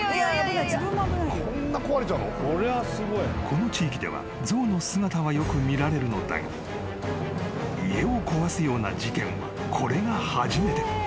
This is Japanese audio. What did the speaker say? ［この地域では象の姿はよく見られるのだが家を壊すような事件はこれが初めて］